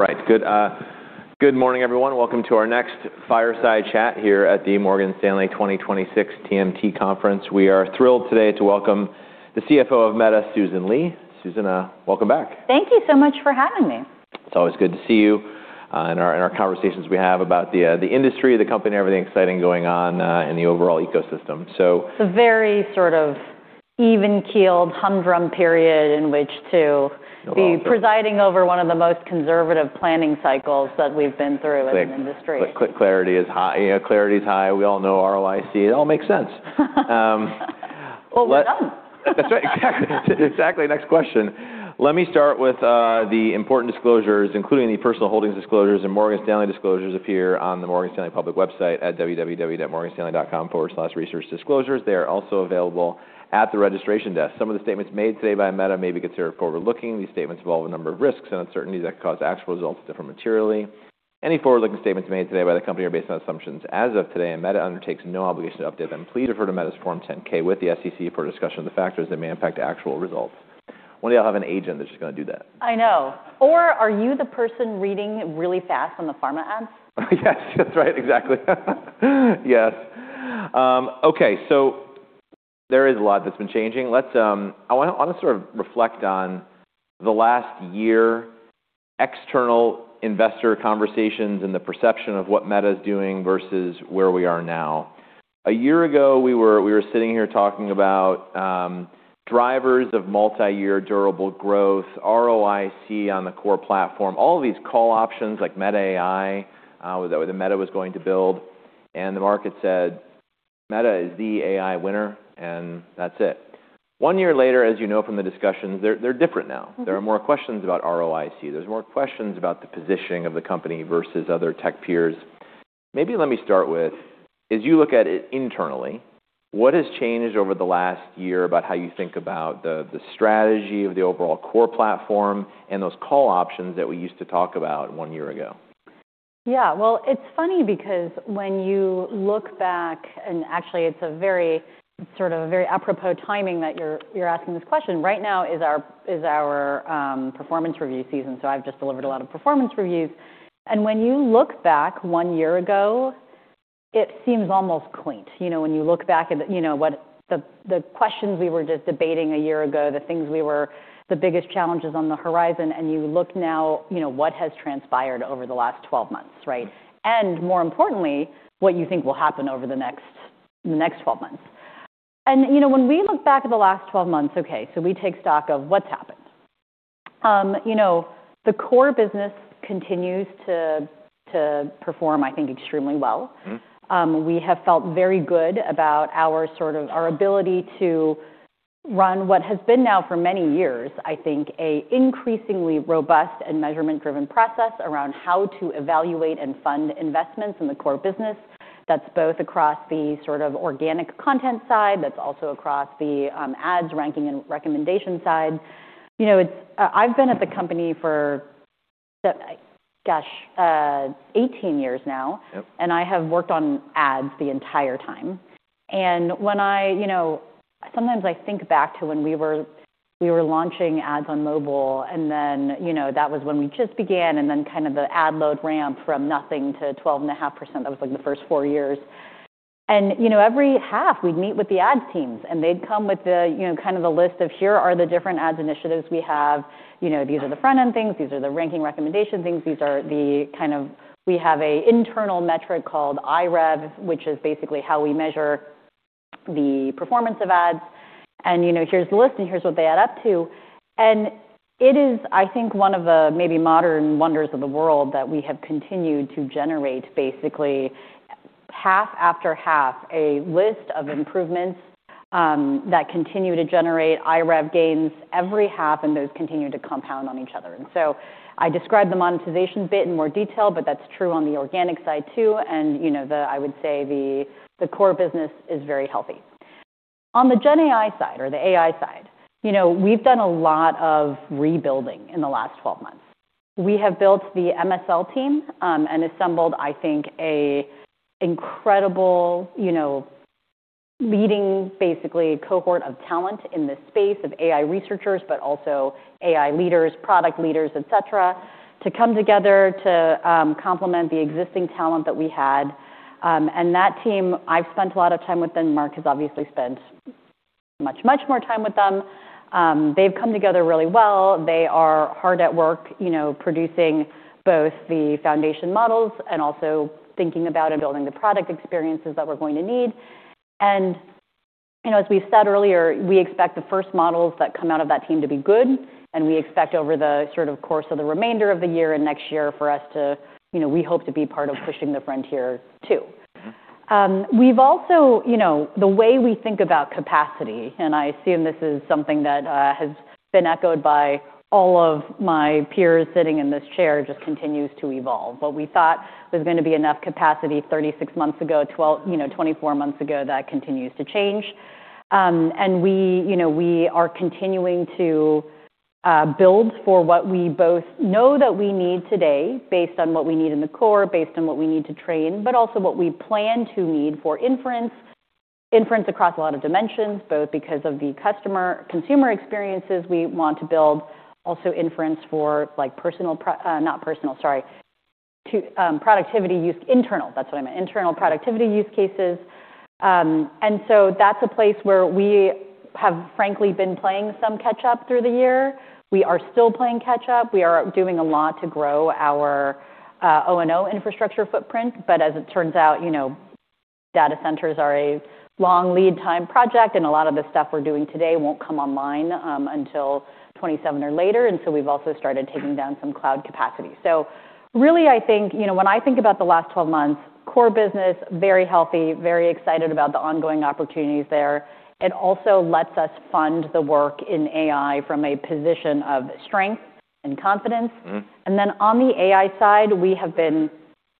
Right. Good, good morning, everyone. Welcome to our next fireside chat here at the Morgan Stanley 2026 TMT conference. We are thrilled today to welcome the CFO of Meta, Susan Li. Susan, welcome back. Thank you so much for having me. It's always good to see you, and our conversations we have about the industry, the company, everything exciting going on in the overall ecosystem. It's a very sort of even-keeled, humdrum period in which. No. Be presiding over one of the most conservative planning cycles that we've been through as an industry. Quick clarity is high. Yeah, clarity is high. We all know ROIC. It all makes sense. Well done. That's right. Exactly. Exactly. Next question. Let me start with the important disclosures, including the personal holdings disclosures and Morgan Stanley disclosures appear on the Morgan Stanley public website at www.morganstanley.com/researchdisclosures. They are also available at the registration desk. Some of the statements made today by Meta may be considered forward-looking. These statements involve a number of risks and uncertainties that cause actual results to differ materially. Any forward-looking statements made today by the company are based on assumptions as of today. Meta undertakes no obligation to update them. Please refer to Meta's Form 10-K with the SEC for a discussion of the factors that may impact actual results. One day I'll have an agent that's just gonna do that. I know. Are you the person reading really fast on the pharma ads? Yes. That's right. Exactly. Yes. Okay. There is a lot that's been changing. Let's... I wanna sort of reflect on the last year, external investor conversations and the perception of what Meta is doing versus where we are now. A year ago, we were sitting here talking about drivers of multi-year durable growth, ROIC on the core platform, all these call options like Meta AI, that Meta was going to build, and the market said, "Meta is the AI winner," and that's it. one year later, as you know from the discussions, they're different now. Mm-hmm. There are more questions about ROIC. There's more questions about the positioning of the company versus other tech peers. Maybe let me start with, as you look at it internally, what has changed over the last year about how you think about the strategy of the overall core platform and those call options that we used to talk about one year ago? Yeah. Well, it's funny because when you look back, actually it's a very sort of very apropos timing that you're asking this question. Right now is our performance review season, so I've just delivered a lot of performance reviews. When you look back one year ago, it seems almost quaint. You know, when you look back at, you know, what the questions we were just debating a year ago, the things we were the biggest challenges on the horizon, and you look now, you know, what has transpired over the last 12-months, right? More importantly, what you think will happen over the next 12-months. You know, when we look back at the last 12 months, okay, we take stock of what's happened. You know, the core business continues to perform, I think, extremely well. Mm-hmm. We have felt very good about our sort of, our ability to run what has been now for many years, I think, a increasingly robust and measurement-driven process around how to evaluate and fund investments in the core business. That's both across the sort of organic content side, that's also across the ads ranking and recommendation side. You know, I've been at the company for gosh, 18-years now. Yep. I have worked on ads the entire time. You know, sometimes I think back to when we were launching ads on mobile and then, you know, that was when we just began and then kind of the ad load ramp from nothing to 12.5%. That was like the first four years. You know, every half we'd meet with the ads teams, and they'd come with the, you know, kind of the list of here are the different ads initiatives we have. You know, these are the front-end things. These are the ranking recommendation things. These are the kind of. We have an internal metric called iREV, which is basically how we measure the performance of ads. You know, here's the list, and here's what they add up to. It is, I think, one of the maybe modern wonders of the world that we have continued to generate basically half after half a list of improvements that continue to generate iREV gains every half, and those continue to compound on each other. I described the monetization bit in more detail, but that's true on the organic side too. You know, the core business is very healthy. On the GenAI side or the AI side, you know, we've done a lot of rebuilding in the last 12-months. We have built the MSL team and assembled, I think, a incredible, you know, leading basically cohort of talent in the space of AI researchers, but also AI leaders, product leaders, et cetera, to come together to complement the existing talent that we had. That team, I've spent a lot of time with them. Mark has obviously spent much, much more time with them. They've come together really well. They are hard at work, you know, producing both the foundation models and also thinking about and building the product experiences that we're going to need. You know, as we said earlier, we expect the first models that come out of that team to be good, and we expect over the sort of course of the remainder of the year and next year for us to, you know, we hope to be part of pushing the frontier too. Mm-hmm. We've also, you know, the way we think about capacity, and I assume this is something that has been echoed by all of my peers sitting in this chair, just continues to evolve. What we thought was gonna be enough capacity 36-months ago, 12-months, you know, 24-months ago, that continues to change. We, you know, we are continuing to build for what we both know that we need today based on what we need in the core, based on what we need to train, but also what we plan to need for inference. Inference across a lot of dimensions, both because of the customer- consumer experiences we want to build, also inference for like not personal, sorry, to productivity use internal. That's what I meant. Internal productivity use cases. That's a place where we have frankly been playing some catch up through the year. We are still playing catch up. We are doing a lot to grow our O&O infrastructure footprint, but as it turns out, you know, data centers are a long lead time project, and a lot of the stuff we're doing today won't come online until 2027 or later. We've also started taking down some cloud capacity. Really I think, you know, when I think about the last 12-months, core business, very healthy, very excited about the ongoing opportunities there. It also lets us fund the work in AI from a position of strength and confidence. Mm-hmm. Then on the AI side, we have been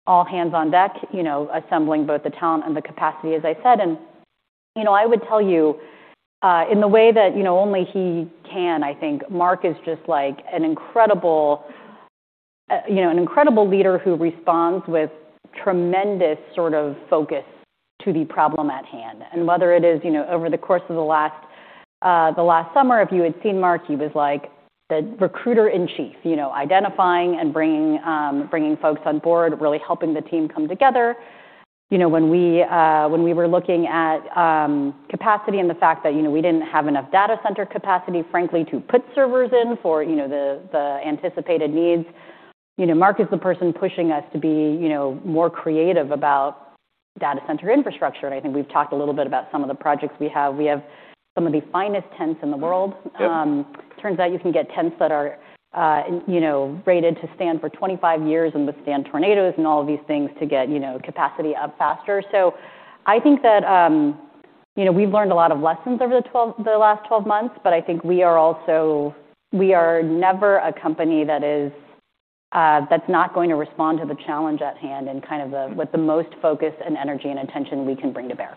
all hands on deck, you know, assembling both the talent and the capacity, as I said. You know, I would tell you, in the way that, you know, only he can, I think Mark is just like an incredible, you know, an incredible leader who responds with tremendous sort of focus to the problem at hand. Whether it is, you know, over the course of the last, the last summer, if you had seen Mark, he was like the recruiter in chief, you know, identifying and bringing folks on board, really helping the team come together. You know, when we, when we were looking at, capacity and the fact that, you know, we didn't have enough data center capacity, frankly, to put servers in for, you know, the anticipated needs. You know, Mark is the person pushing us to be, you know, more creative about data center infrastructure. I think we've talked a little bit about some of the projects we have. We have some of the finest tents in the world. Yep. Turns out you can get tents that are, you know, rated to stand for 25-years and withstand tornadoes and all of these things to get, you know, capacity up faster. I think that, you know, we've learned a lot of lessons over the last 12-months, but I think we are never a company that is not going to respond to the challenge at hand and kind of. Mm-hmm. With the most focus and energy and attention we can bring to bear.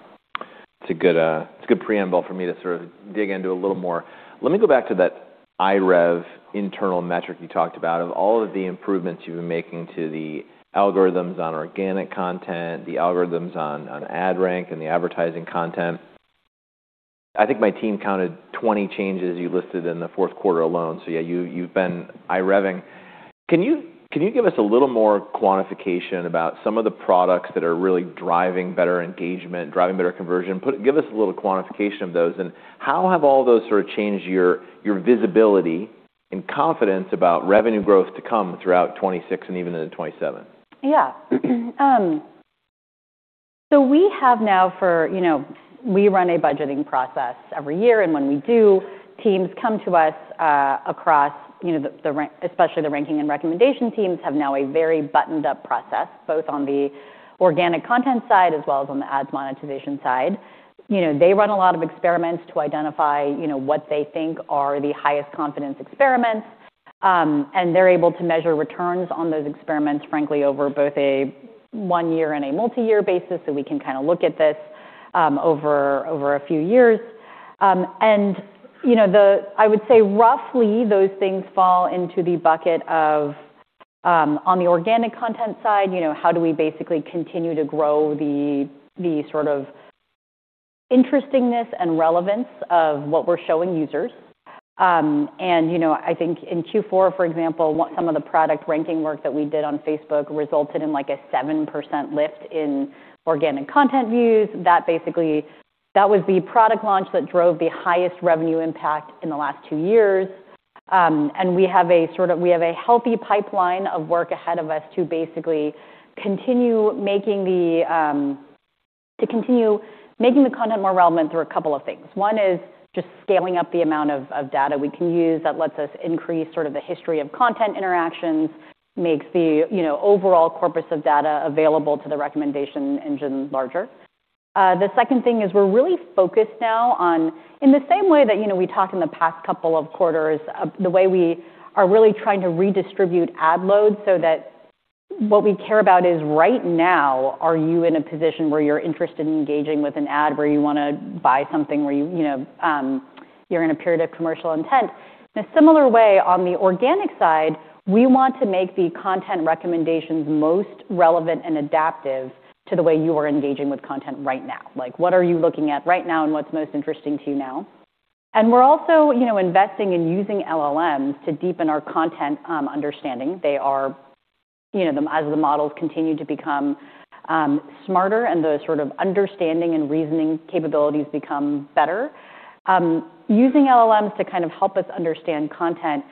It's a good, it's a good preamble for me to sort of dig into a little more. Let me go back to that iREV internal metric you talked about. Of all of the improvements you've been making to the algorithms on organic content, the algorithms on ad rank and the advertising content. I think my team counted 20 changes you listed in the fourth quarter alone. Yeah, you've been iREVing. Can you give us a little more quantification about some of the products that are really driving better engagement, driving better conversion? Give us a little quantification of those, and how have all those sort of changed your visibility and confidence about revenue growth to come throughout 2026 and even into 2027? Yeah. We have now for, you know, we run a budgeting process every year. When we do, teams come to us, across, you know, especially the ranking and recommendation teams have now a very buttoned-up process, both on the organic content side as well as on the ads monetization side. You know, they run a lot of experiments to identify, you know, what they think are the highest confidence experiments. They're able to measure returns on those experiments, frankly, over both a one year and a multi-year basis, so we can kinda look at this over a few years. You know, I would say roughly those things fall into the bucket of, on the organic content side, you know, how do we basically continue to grow the sort of interestingness and relevance of what we're showing users? You know, I think in Q4, for example, what some of the product ranking work that we did on Facebook resulted in like a 7% lift in organic content views. That basically, that was the product launch that drove the highest revenue impact in the last two years. We have a sort of, we have a healthy pipeline of work ahead of us to basically continue making the, to continue making the content more relevant through a couple of things. One is just scaling up the amount of data we can use that lets us increase sort of the history of content interactions, makes the, you know, overall corpus of data available to the recommendation engine larger. The second thing is we're really focused now on in the same way that, you know, we talked in the past couple of quarters, the way we are really trying to redistribute ad loads so that what we care about is right now, are you in a position where you're interested in engaging with an ad, where you wanna buy something, where you know, you're in a period of commercial intent? In a similar way, on the organic side, we want to make the content recommendations most relevant and adaptive to the way you are engaging with content right now. Like, what are you looking at right now and what's most interesting to you now? We're also, you know, investing in using LLMs to deepen our content understanding. They are, you know, the, as the models continue to become smarter and the sort of understanding and reasoning capabilities become better, using LLMs to kind of help us understand content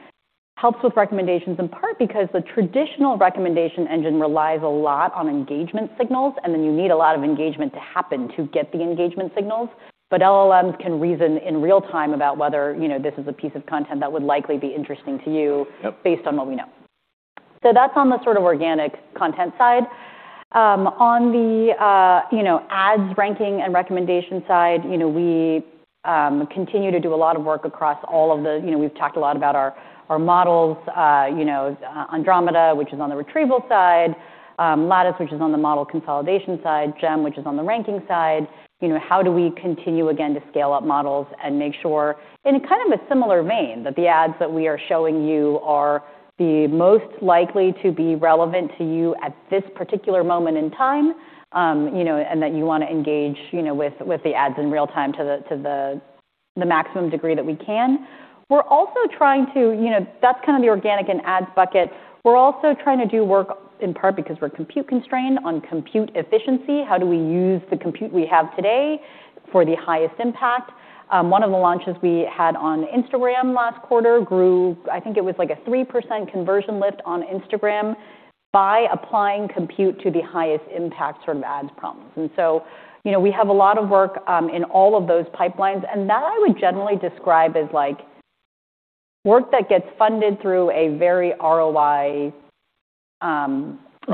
helps with recommendations in part because the traditional recommendation engine relies a lot on engagement signals, and then you need a lot of engagement to happen to get the engagement signals. LLMs can reason in real time about whether, you know, this is a piece of content that would likely be interesting to you. Yep. Based on what we know. That's on the sort of organic content side. On the, you know, ads ranking and recommendation side, you know, we continue to do a lot of work across all of the, you know, we've talked a lot about our models, you know, Andromeda, which is on the retrieval side, Lattice, which is on the model consolidation side, GEM, which is on the ranking side. You know, how do we continue again to scale up models and make sure in a kind of a similar vein, that the ads that we are showing you are the most likely to be relevant to you at this particular moment in time, you know, and that you wanna engage, you know, with the ads in real time to the maximum degree that we can. We're also trying to, you know, that's kind of the organic and ads bucket. We're also trying to do work in part because we're compute constrained on compute efficiency. How do we use the compute we have today for the highest impact? One of the launches we had on Instagram last quarter grew, I think it was like a 3% conversion lift on Instagram by applying compute to the highest impact sort of ads problems. You know, we have a lot of work in all of those pipelines, and that I would generally describe as like work that gets funded through a very ROI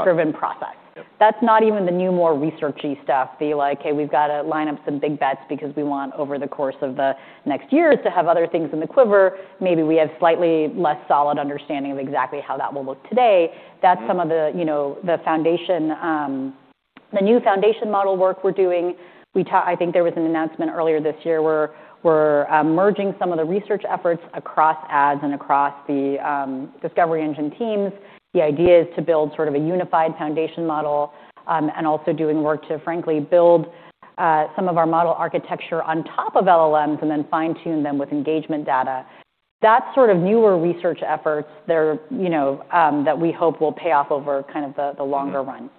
driven process. Yep. That's not even the new, more research-y stuff, the like, "Hey, we've got to line up some big bets because we want over the course of the next years to have other things in the quiver. Maybe we have slightly less solid understanding of exactly how that will look today. Mm-hmm. That's some of the, you know, the foundation, the new foundation model work we're doing. I think there was an announcement earlier this year where we're merging some of the research efforts across ads and across the discovery engine teams. The idea is to build sort of a unified foundation model, and also doing work to frankly build some of our model architecture on top of LLMs and then fine-tune them with engagement data. That's sort of newer research efforts there, you know, that we hope will pay off over kind of the longer run.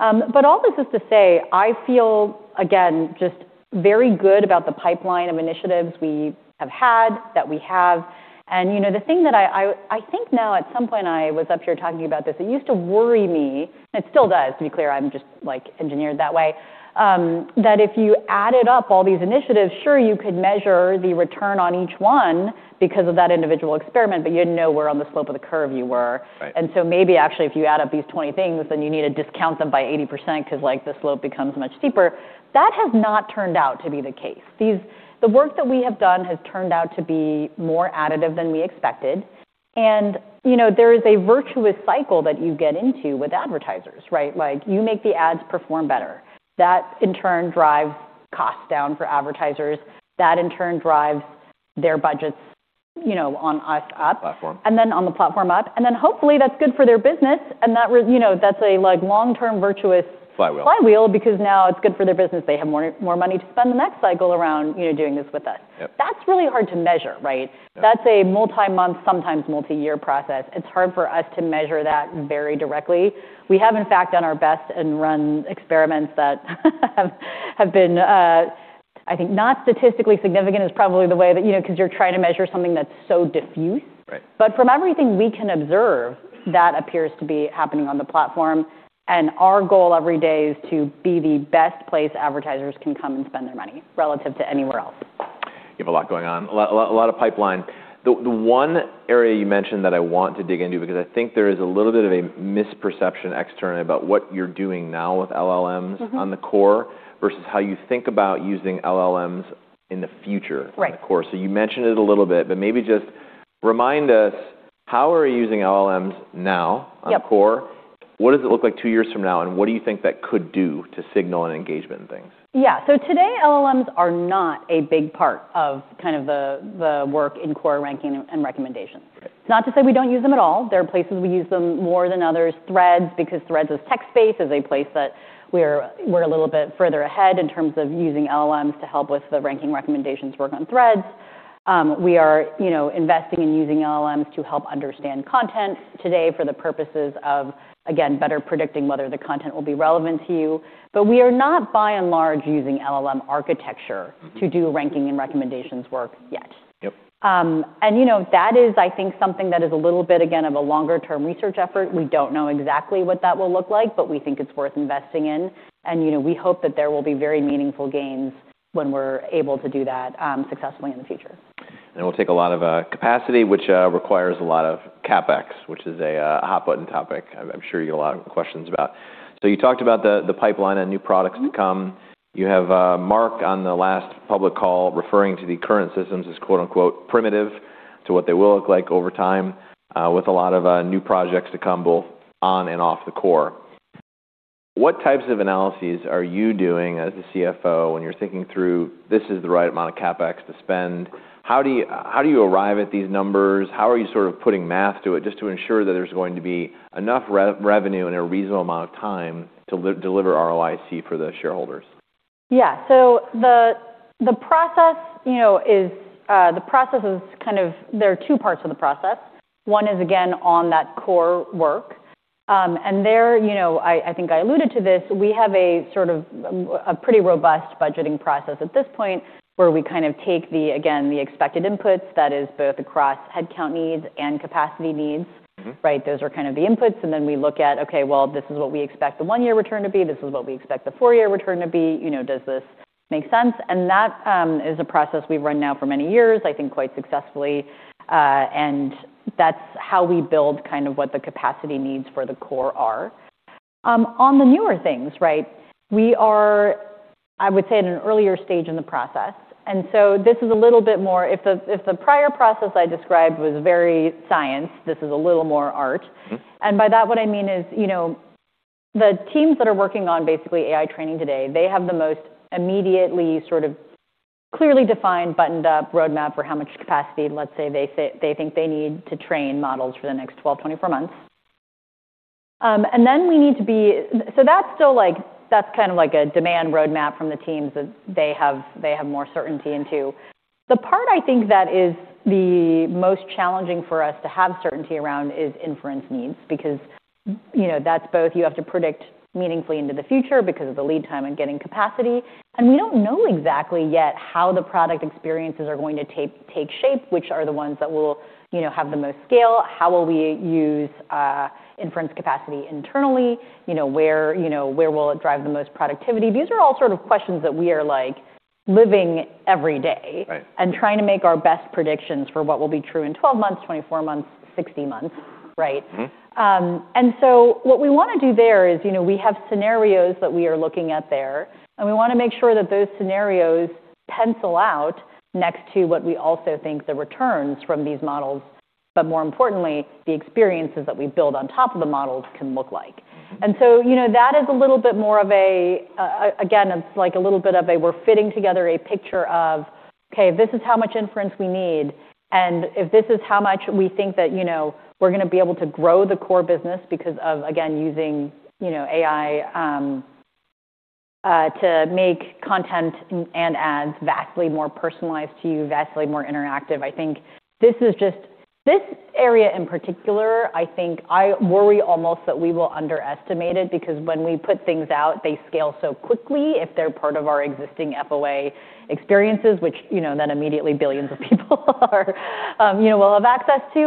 All this is to say, I feel again, just very good about the pipeline of initiatives we have. You know, the thing that I think now at some point I was up here talking about this, it used to worry me, and it still does, to be clear, I'm just like engineered that way, that if you added up all these initiatives, sure, you could measure the return on each one because of that individual experiment, but you didn't know where on the slope of the curve you were. Right. Maybe actually, if you add up these 20 things, then you need to discount them by 80% because like the slope becomes much steeper. That has not turned out to be the case. The work that we have done has turned out to be more additive than we expected, and you know, there is a virtuous cycle that you get into with advertisers, right? Like you make the ads perform better. That in turn drives costs down for advertisers. That in turn drives their budgets, you know, on us up. Platform. And then on the platform up, and then hopefully that's good for their business and that you know, that's a like long-term virtuous- Flywheel. Flywheel because now it's good for their business. They have more money to spend the next cycle around, you know, doing this with us. Yep. That's really hard to measure, right? Yeah. That's a multi-month, sometimes multi-year process. It's hard for us to measure that very directly. We have in fact done our best and run experiments that have been, I think not statistically significant is probably the way that, you know, 'cause you're trying to measure something that's so diffuse. Right. From everything we can observe, that appears to be happening on the platform, and our goal every day is to be the best place advertisers can come and spend their money relative to anywhere else. You have a lot going on, a lot of pipeline. The one area you mentioned that I want to dig into because I think there is a little bit of a misperception externally about what you're doing now with LLMs. Mm-hmm. On the core versus how you think about using LLMs in the future. Right. On the core. You mentioned it a little bit, but maybe just remind us how are you using LLMs now? Yep. On core? What does it look like two years from now? What do you think that could do to signal and engagement and things? Yeah. Today, LLMs are not a big part of kind of the work in core ranking and recommendations. Right. Not to say we don't use them at all. There are places we use them more than others. Threads, because Threads is tech space, is a place that we're a little bit further ahead in terms of using LLMs to help with the ranking recommendations work on Threads. We are, you know, investing in using LLMs to help understand content today for the purposes of, again, better predicting whether the content will be relevant to you. We are not by and large using LLM architecture-. Mm-hmm. To do ranking and recommendations work yet. Yep. You know, that is I think something that is a little bit again of a longer-term research effort. We don't know exactly what that will look like, but we think it's worth investing in and, you know, we hope that there will be very meaningful gains when we're able to do that successfully in the future. It will take a lot of capacity, which requires a lot of CapEx, which is a hot button topic I'm sure you get a lot of questions about. You talked about the pipeline and new products to come. Mm-hmm. You have Mark on the last public call referring to the current systems as, quote-unquote, "primitive" to what they will look like over time, with a lot of new projects to come both on and off the core. What types of analyses are you doing as the CFO when you're thinking through this is the right amount of CapEx to spend? How do you arrive at these numbers? How are you sort of putting math to it just to ensure that there's going to be enough re-revenue in a reasonable amount of time to deliver ROIC for the shareholders? The process, you know, there are two parts of the process. One is again on that core work. There, you know, I think I alluded to this, we have a sort of a pretty robust budgeting process at this point where we kind of take again, the expected inputs, that is both across headcount needs and capacity needs. Mm-hmm. Right? Those are kind of the inputs, and then we look at, okay, well, this is what we expect the one year return to be. This is what we expect the four year return to be. You know, does this make sense? That is a process we've run now for many years, I think quite successfully, and that's how we build kind of what the capacity needs for the core are. On the newer things, right? We are, I would say at an earlier stage in the process, and so this is a little bit more if the, if the prior process I described was very science, this is a little more art. Mm-hmm. By that what I mean is, you know, the teams that are working on basically AI training today, they have the most immediately sort of clearly defined, buttoned-up roadmap for how much capacity, let's say, they say they think they need to train models for the next 12-24 months. That's kind of like a demand roadmap from the teams that they have, they have more certainty into. The part I think that is the most challenging for us to have certainty around is inference needs because, you know, that's both you have to predict meaningfully into the future because of the lead time and getting capacity. We don't know exactly yet how the product experiences are going to take shape, which are the ones that will, you know, have the most scale. How will we use inference capacity internally? You know, where will it drive the most productivity? These are all sort of questions that we are, like, living every day. Right. Trying to make our best predictions for what will be true in 12-months, 24-months, 60-months, right? Mm-hmm. What we wanna do there is, you know, we have scenarios that we are looking at there, and we wanna make sure that those scenarios pencil out next to what we also think the returns from these models, but more importantly, the experiences that we build on top of the models can look like. You know, that is a little bit more of a, again, it's like a little bit of a we're fitting together a picture of, okay, this is how much inference we need, and if this is how much we think that, you know, we're gonna be able to grow the core business because of, again, using, you know, AI, to make content and ads vastly more personalized to you, vastly more interactive. I think This area in particular, I think I worry almost that we will underestimate it because when we put things out, they scale so quickly if they're part of our existing FOA experiences, which, you know, then immediately billions of people are, you know, will have access to.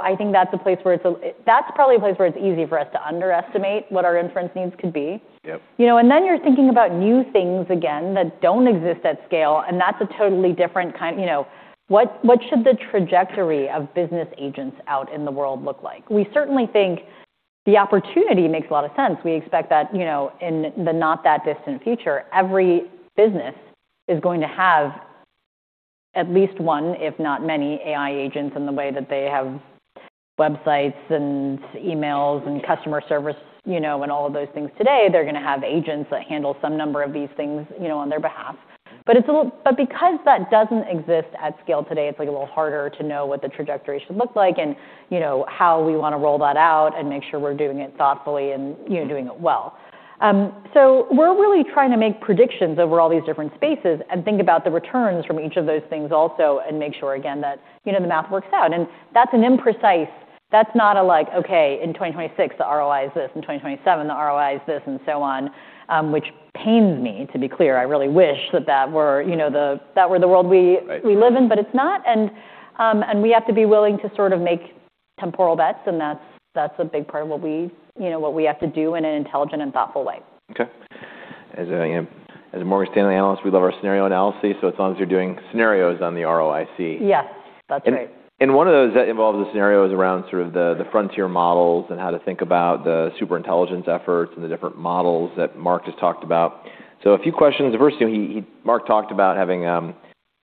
I think that's a place where that's probably a place where it's easy for us to underestimate what our inference needs could be. Yep. You know, then you're thinking about new things again that don't exist at scale, that's a totally different kind. You know, what should the trajectory of business agents out in the world look like? We certainly think the opportunity makes a lot of sense. We expect that, you know, in the not that distant future, every business is going to have at least one, if not many, AI agents in the way that they have websites and emails and customer service, you know, all of those things today. They're gonna have agents that handle some number of these things, you know, on their behalf. Because that doesn't exist at scale today, it's like a little harder to know what the trajectory should look like and, you know, how we wanna roll that out and make sure we're doing it thoughtfully and, you know, doing it well. We're really trying to make predictions over all these different spaces and think about the returns from each of those things also and make sure again that, you know, the math works out. That's not a like, okay, in 2026, the ROI is this. In 2027, the ROI is this, and so on, which pains me, to be clear. I really wish that that were, you know, that were the world we-. Right. we live in, but it's not. We have to be willing to sort of make temporal bets, and that's a big part of what we, you know, what we have to do in an intelligent and thoughtful way. Okay. As a, as a Morgan Stanley analyst, we love our scenario analyses, so as long as you're doing scenarios on the ROIC. Yes. That's right. One of those that involves the scenarios around sort of the frontier models and how to think about the super intelligence efforts and the different models that Mark just talked about. A few questions. The first thing Mark talked about having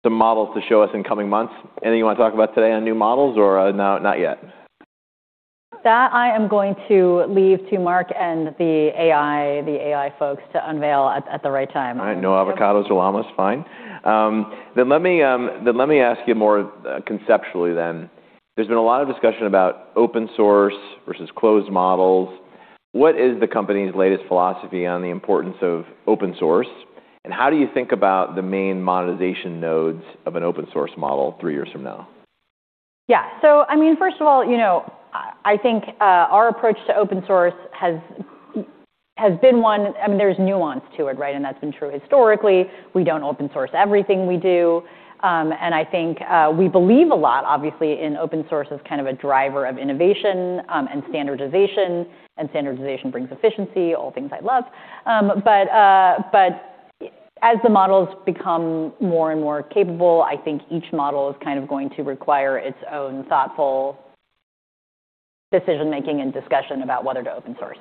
some models to show us in coming months. Anything you wanna talk about today on new models or no, not yet? That I am going to leave to Mark and the AI, the AI folks to unveil at the right time. All right. No avocados, llamas. Fine. Let me, then let me ask you more conceptually then. There's been a lot of discussion about open source versus closed models. What is the company's latest philosophy on the importance of open source, and how do you think about the main monetization nodes of an open source model three years from now? Yeah. I mean, first of all, you know, I think our approach to open source has been one. I mean, there's nuance to it, right? That's been true historically. We don't open source everything we do. I think we believe a lot, obviously, in open source as kind of a driver of innovation and standardization, and standardization brings efficiency, all things I love. But as the models become more and more capable, I think each model is kind of going to require its own thoughtful decision-making and discussion about whether to open source.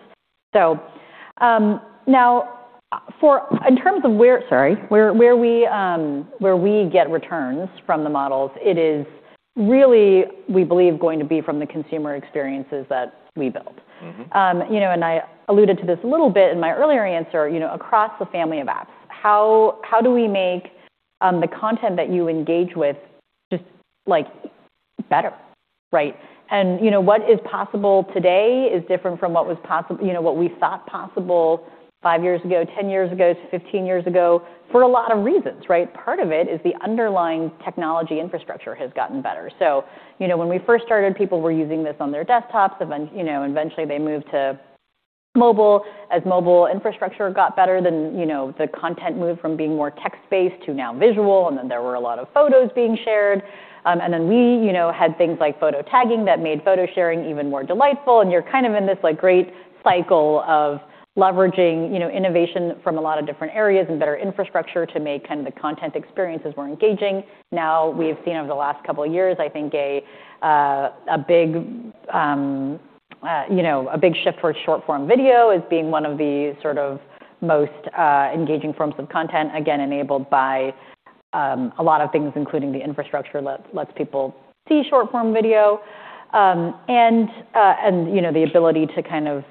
In terms of where, sorry, where we get returns from the models, it is really, we believe, going to be from the consumer experiences that we build. Mm-hmm. You know, I alluded to this a little bit in my earlier answer, you know, across the family of apps. How do we make the content that you engage with just, like, better, right? You know, what is possible today is different from what we thought possible five years ago, 10-years ago, 15-years ago for a lot of reasons, right? Part of it is the underlying technology infrastructure has gotten better. You know, when we first started, people were using this on their desktops. You know, eventually they moved to mobile. As mobile infrastructure got better then, you know, the content moved from being more text-based to now visual, and then there were a lot of photos being shared. We, you know, had things like photo tagging that made photo sharing even more delightful, and you're kind of in this, like, great cycle of leveraging, you know, innovation from a lot of different areas and better infrastructure to make kind of the content experiences more engaging. We've seen over the last couple of years, I think a big, you know, a big shift towards short-form video as being one of the sort of most engaging forms of content, again, enabled by a lot of things, including the infrastructure lets people see short-form video. You know, the ability to kind of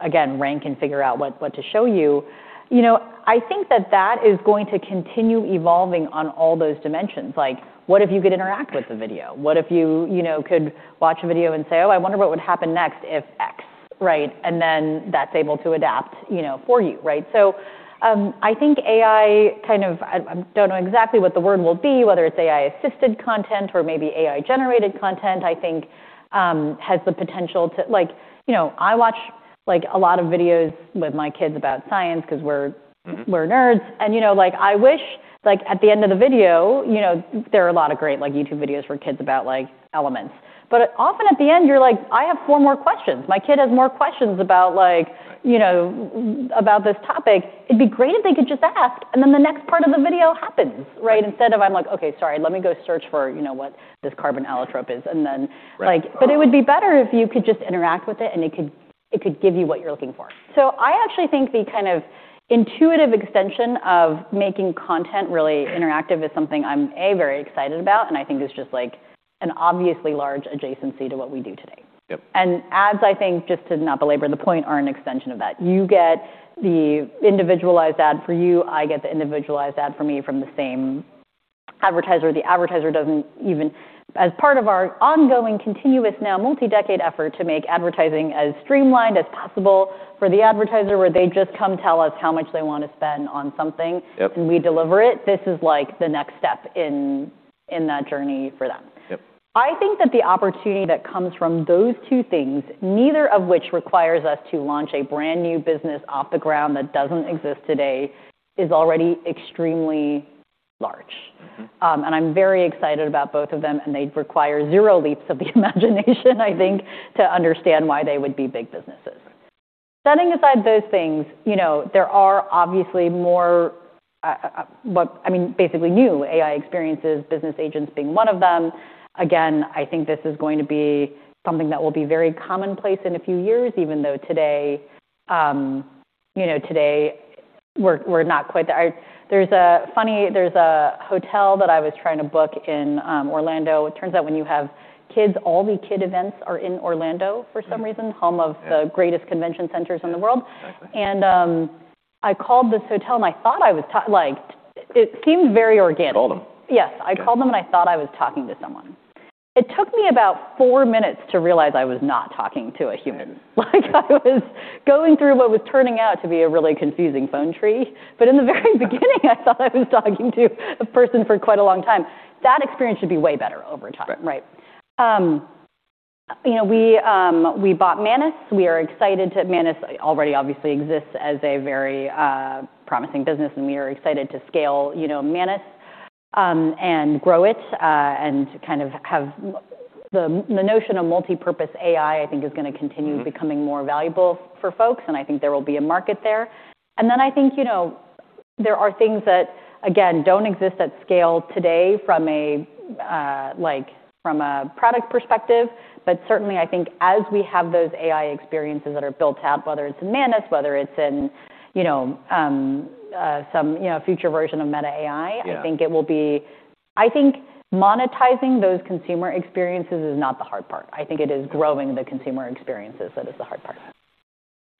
again rank and figure out what to show you. You know, I think that that is going to continue evolving on all those dimensions. Like, what if you could interact with the video? What if you know, could watch a video and say, "Oh, I wonder what would happen next if X." Right? That's able to adapt, you know, for you, right? I think I don't know exactly what the word will be, whether it's AI-assisted content or maybe AI-generated content, I think, has the potential to You know, I watch like a lot of videos with my kids about science 'cause we're nerds and, you know, like, I wish, like, at the end of the video, you know, there are a lot of great like YouTube videos for kids about like elements. Often at the end, you're like, "I have four more questions. My kid has more questions about like- Right. You know, about this topic." It'd be great if they could just ask, and then the next part of the video happens, right? Instead of I'm like, "Okay, sorry. Let me go search for, you know, what this carbon allotrope is," and then. Right. Like, but it would be better if you could just interact with it, and it could give you what you're looking for. I actually think the kind of intuitive extension of making content really interactive is something I'm, A, very excited about, and I think is just like an obviously large adjacency to what we do today. Yep. Ads, I think, just to not belabor the point, are an extension of that. You get the individualized ad for you, I get the individualized ad for me from the same advertiser. The advertiser doesn't even. As part of our ongoing, continuous, now multi-decade effort to make advertising as streamlined as possible for the advertiser, where they just come tell us how much they wanna spend on something. Yep. We deliver it. This is like the next step in that journey for them. Yep. I think that the opportunity that comes from those two things, neither of which requires us to launch a brand-new business off the ground that doesn't exist today, is already extremely large. Mm-hmm. I'm very excited about both of them, and they require zero leaps of the imagination I think, to understand why they would be big businesses. Setting aside those things, you know, there are obviously more, I mean, basically new AI experiences, business agents being one of them. I think this is going to be something that will be very commonplace in a few years, even though today, you know, today we're not quite there. There's a hotel that I was trying to book in Orlando. It turns out when you have kids, all the kid events are in Orlando for some reason. Mm-hmm. Home of the greatest convention centers in the world. Exactly. I called this hotel, and I thought I was like it seemed very organic. You called them? Yes. Okay. I called them, and I thought I was talking to someone. It took me about 4 minutes to realize I was not talking to a human. Right. Like I was going through what was turning out to be a really confusing phone tree. In the very beginning, I thought I was talking to a person for quite a long time. That experience should be way better over time. Right. Right. you know, we bought Manus. We are excited to Manus already obviously exists as a very promising business, and we are excited to scale, you know, Manus, and grow it, and to kind of have the notion of multipurpose AI, I think, is gonna continue. Mm-hmm. Becoming more valuable for folks, and I think there will be a market there. Then I think, you know, there are things that, again, don't exist at scale today from a like from a product perspective. But certainly I think as we have those AI experiences that are built out, whether it's in Manus, whether it's in, you know, some, you know, future version of Meta AI. Yeah. I think monetizing those consumer experiences is not the hard part. I think it is growing the consumer experiences that is the hard part.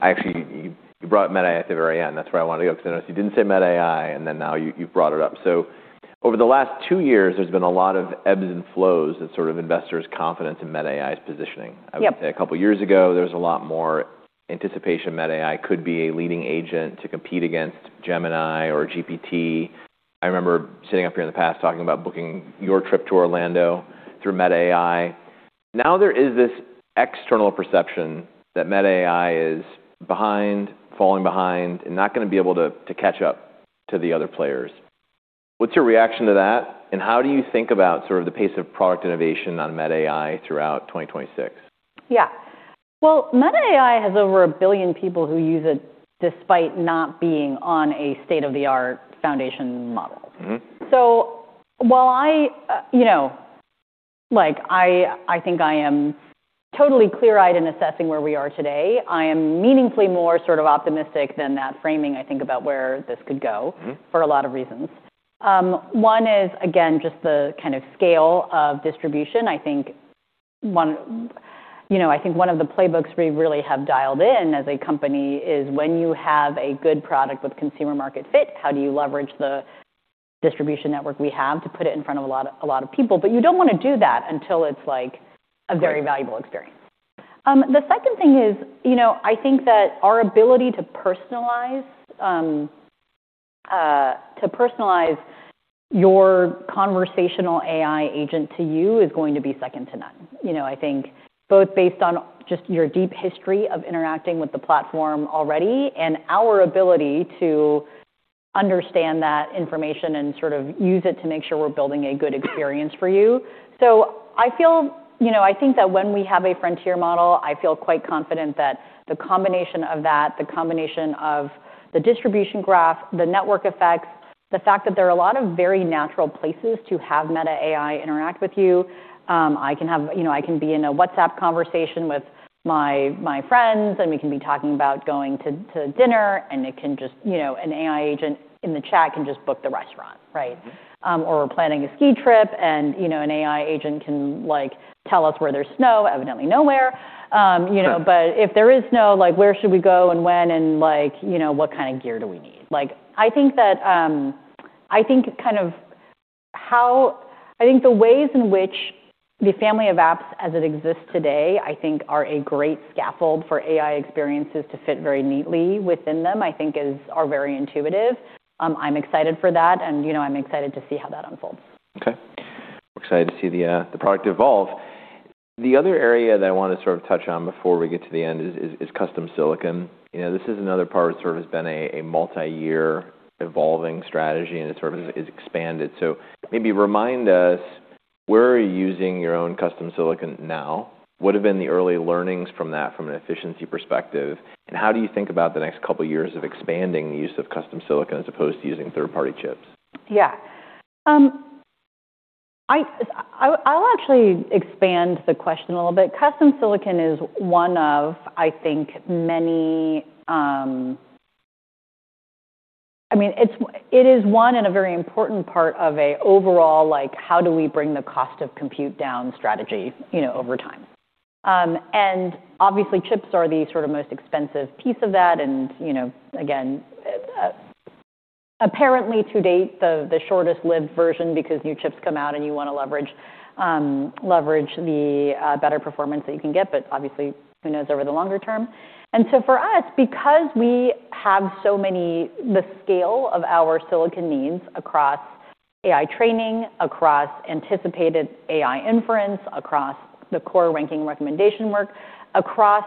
Actually, you brought Meta AI at the very end. That's where I wanted to go because I noticed you didn't say Meta AI, and then now you've brought it up. Over the last two years, there's been a lot of ebbs and flows in sort of investors' confidence in Meta AI's positioning. Yep. I would say a couple years ago, there was a lot more anticipation Meta AI could be a leading agent to compete against Gemini or GPT. I remember sitting up here in the past talking about booking your trip to Orlando through Meta AI. Now there is this external perception that Meta AI is behind, falling behind, and not gonna be able to catch up to the other players. What's your reaction to that, and how do you think about sort of the pace of product innovation on Meta AI throughout 2026? Yeah. Well, Meta AI has over 1 billion people who use it despite not being on a state-of-the-art foundation model. Mm-hmm. While I, you know, like I think I am totally clear-eyed in assessing where we are today, I am meaningfully more sort of optimistic than that framing, I think, about where this could go. Mm-hmm. For a lot of reasons. One is, again, just the kind of scale of distribution. I think one, you know, I think one of the playbooks we really have dialed in as a company is when you have a good product with consumer market fit, how do you leverage the distribution network we have to put it in front of a lot of people? You don't wanna do that until it's like a very valuable experience. The second thing is, you know, I think that our ability to personalize, to personalize your conversational AI agent to you is going to be second to none. You know, I think both based on just your deep history of interacting with the platform already and our ability to understand that information and sort of use it to make sure we're building a good experience for you. I feel, you know, I think that when we have a frontier model, I feel quite confident that the combination of that, the combination of the distribution graph, the network effects, the fact that there are a lot of very natural places to have Meta AI interact with you. I can have, you know, I can be in a WhatsApp conversation with my friends, and we can be talking about going to dinner, and it can just, you know, an AI agent in the chat can just book the restaurant, right? Mm-hmm. We're planning a ski trip and, you know, an AI agent can like tell us where there's snow, evidently nowhere. Sure. If there is snow, like where should we go and when and like, you know, what kind of gear do we need? Like I think the ways in which the family of apps as it exists today, I think, are a great scaffold for AI experiences to fit very neatly within them, are very intuitive. I'm excited for that and, you know, I'm excited to see how that unfolds. Okay. We're excited to see the product evolve. The other area that I wanna sort of touch on before we get to the end is custom silicon. You know, this is another part that sort of has been a multi-year evolving strategy, and it sort of has expanded. Maybe remind us where are you using your own custom silicon now? What have been the early learnings from that from an efficiency perspective? How do you think about the next couple years of expanding the use of custom silicon as opposed to using third-party chips? Yeah. I'll actually expand the question a little bit. Custom silicon is one of, I think, many. I mean, it is one and a very important part of a overall, like, how do we bring the cost of compute down strategy, you know, over time. Obviously chips are the sort of most expensive piece of that and, you know, again, apparently to date, the shortest-lived version because new chips come out and you wanna leverage the better performance that you can get, but obviously who knows over the longer term. For us, because we have so many, the scale of our silicon needs across AI training, across anticipated AI inference, across the core ranking recommendation work, across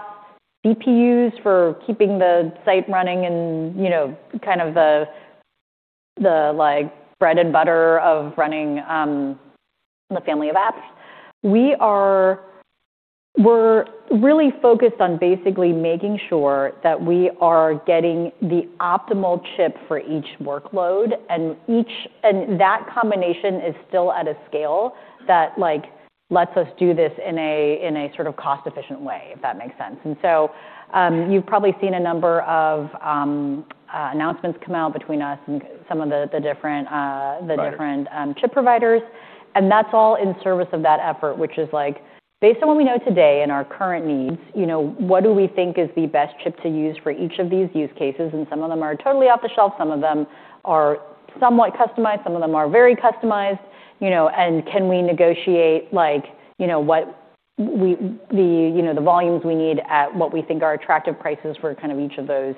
CPUs for keeping the site running and, you know, kind of the, like, bread and butter of running the family of apps. We're really focused on basically making sure that we are getting the optimal chip for each workload and each, and that combination is still at a scale that, like, lets us do this in a, in a sort of cost-efficient way, if that makes sense. You've probably seen a number of announcements come out between us and some of the different. Right. The different, chip providers. That's all in service of that effort, which is like based on what we know today and our current needs, you know, what do we think is the best chip to use for each of these use cases? Some of them are totally off the shelf, some of them are somewhat customized, some of them are very customized, you know, and can we negotiate like, you know, what we, the, you know, the volumes we need at what we think are attractive prices for kind of each of those,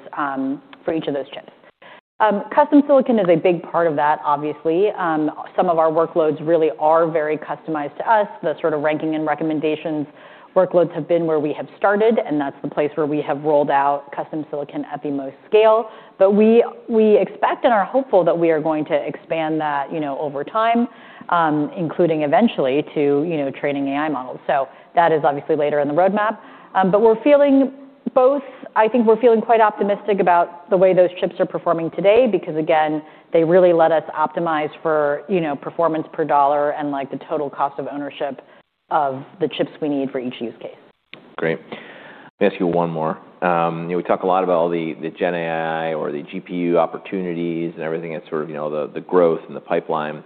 for each of those chips. Custom silicon is a big part of that, obviously. Some of our workloads really are very customized to us. The sort of ranking and recommendations workloads have been where we have started. That's the place where we have rolled out custom silicon at the most scale. We expect and are hopeful that we are going to expand that, you know, over time, including eventually to, you know, training AI models. That is obviously later in the roadmap. I think we're feeling quite optimistic about the way those chips are performing today because, again, they really let us optimize for, you know, performance per dollar and, like, the total cost of ownership of the chips we need for each use case. Great. Let me ask you one more. You know, we talk a lot about all the GenAI or the GPU opportunities and everything that's sort of, you know, the growth and the pipeline.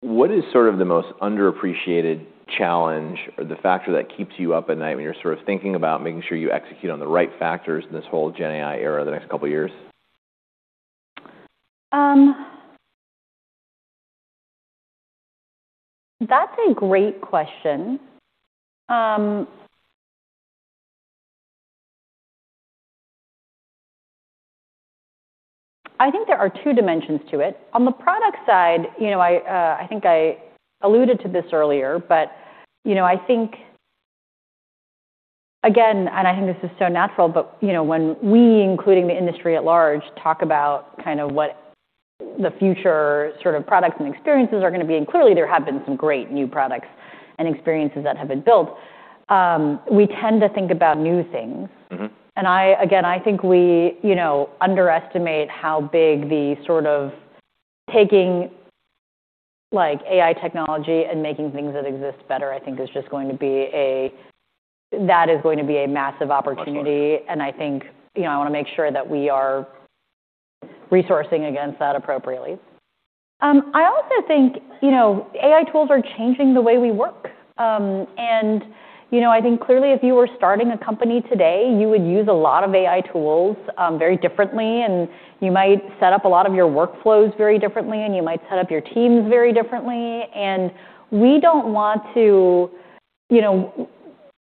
What is sort of the most underappreciated challenge or the factor that keeps you up at night when you're sort of thinking about making sure you execute on the right factors in this whole GenAI era the next couple years? That's a great question. I think there are two dimensions to it. On the product side, you know, I think I alluded to this earlier, but, you know, I think, again, and I think this is so natural, but, you know, when we, including the industry at large, talk about kind of what the future sort of products and experiences are gonna be, and clearly there have been some great new products and experiences that have been built, we tend to think about new things. Mm-hmm. I, again, I think we, you know, underestimate how big the sort of taking like AI technology and making things that exist better, I think is just going to be that is going to be a massive opportunity. Much better. I think, you know, I wanna make sure that we are resourcing against that appropriately. I also think, you know, AI tools are changing the way we work. I think clearly if you were starting a company today, you would use a lot of AI tools very differently, and you might set up a lot of your workflows very differently, and you might set up your teams very differently. We don't want to, you know,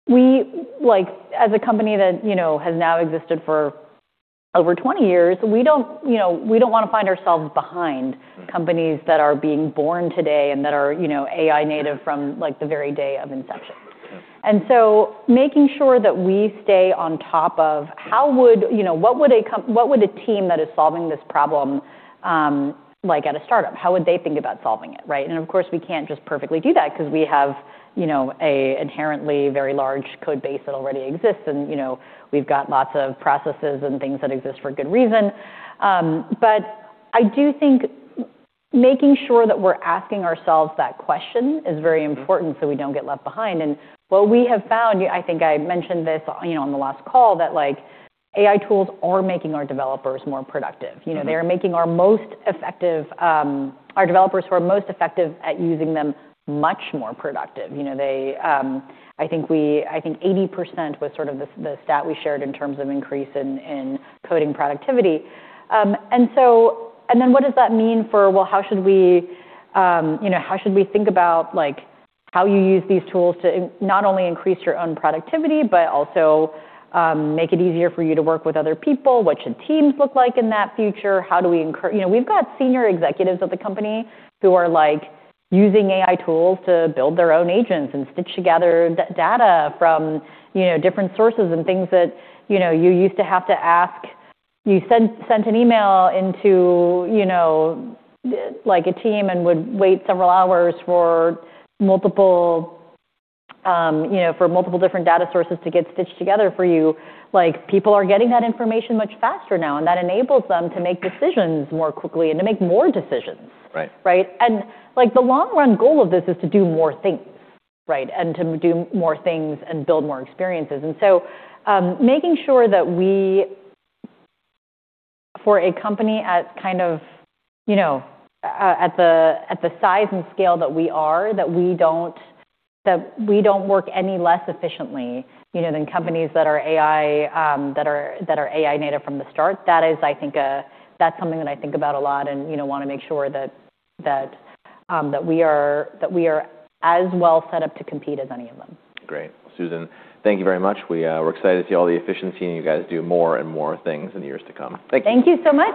we like as a company that, you know, has now existed for over 20-years, we don't wanna find ourselves behind companies that are being born today and that are, you know, AI native from like the very day of inception. Yeah. Making sure that we stay on top of you know, what would a team that is solving this problem, like at a startup, how would they think about solving it, right? Of course, we can't just perfectly do that because we have, you know, a inherently very large code base that already exists and, you know, we've got lots of processes and things that exist for good reason. I do think making sure that we're asking ourselves that question is very important so we don't get left behind. What we have found, I think I mentioned this, you know, on the last call, that like AI tools are making our developers more productive. You know, they are making our most effective, our developers who are most effective at using them much more productive. You know, they, I think 80% was sort of the stat we shared in terms of increase in coding productivity. What does that mean for, well, how should we, you know, how should we think about, like, how you use these tools to not only increase your own productivity, but also, make it easier for you to work with other people? What should teams look like in that future? How do we You know, we've got senior executives at the company who are, like, using AI tools to build their own agents and stitch together data from, you know, different sources and things that, you know, you used to have to ask. You sent an email into, you know, like a team and would wait several hours for multiple, you know, for multiple different data sources to get stitched together for you. Like, people are getting that information much faster now, and that enables them to make decisions more quickly and to make more decisions. Right. Right? Like, the long run goal of this is to do more things, right? To do more things and build more experiences. Making sure that we for a company as kind of, you know, at the size and scale that we are, that we don't work any less efficiently, you know, than companies that are AI, that are AI native from the start. That is, I think, that's something that I think about a lot and, you know, wanna make sure that we are as well set up to compete as any of them. Great. Susan, thank you very much. We, we're excited to see all the efficiency, and you guys do more and more things in the years to come. Thank you. Thank you so much.